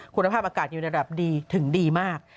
คุณภาพอากาศอยู่ในระดับดีถึงดีมาก